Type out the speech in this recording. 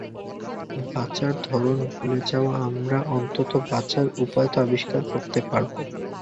বাঁচার ধরণ ভুলে যাওয়া আমরা অন্তত বাঁচার উপায় তো আবিষ্কার করতে পারবো।